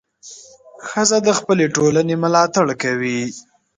ښځه د خپلې ټولنې ملاتړ کوي.